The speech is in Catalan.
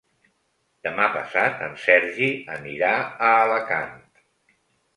Demà passat en Sergi anirà a Alacant.